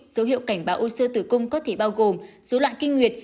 dấu hiệu cảnh báo u sơ tử cung có thể bao gồm dấu loạn kinh nguyệt